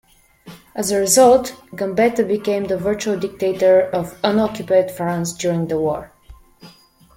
As a result, Gambetta became the virtual dictator of unoccupied France during the war.